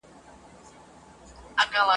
که په اوړي په سفر به څوک وتله !.